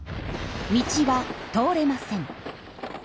道は通れません。